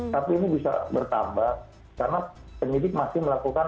tapi ini bisa bertambah karena penyidik masih melakukan